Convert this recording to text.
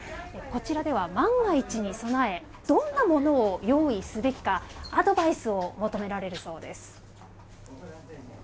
こちらでは万が一に備えどんなものを用意すべきかアドバイスを求められるそうです。